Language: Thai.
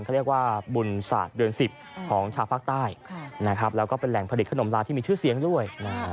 เขาเรียกว่าบุญศาสตร์เดือน๑๐ของชาวภาคใต้นะครับแล้วก็เป็นแหล่งผลิตขนมลาที่มีชื่อเสียงด้วย